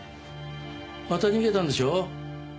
また逃げたんでしょう？